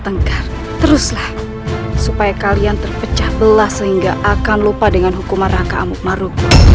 namun ibu naya yang dipindah begitu pun dengan si guru